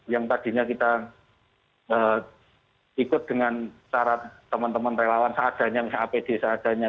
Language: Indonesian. yang tadinya kita ikut dengan syarat teman teman relawan seadanya apd seadanya